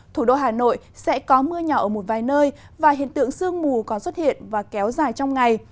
thủ đô hà nội sẽ có mưa nhỏ ở một vài nơi và hiện tượng sương mù còn xuất hiện và kéo dài trong ngày